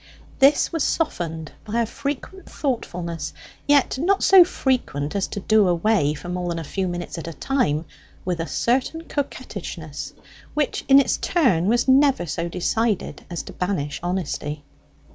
This was softened by a frequent thoughtfulness, yet not so frequent as to do away, for more than a few minutes at a time, with a certain coquettishness; which in its turn was never so decided as to banish honesty.